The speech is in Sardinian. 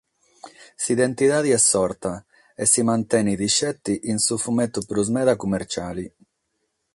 S’identidade est sorta, e si mantenet petzi in su fumetu prus meda cummertziale.